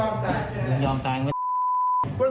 ยอมตายอย่างไง